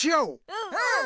うんうん。